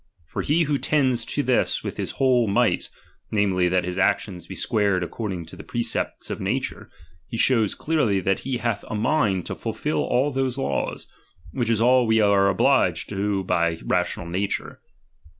For he who tends to this with his whole might, namely, that his actions be squared according to the precepts of nature, he shows clearly that he hath a mind to fulfil all those laws ; which is all we are obliged to by rational nature.